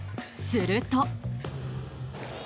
すると。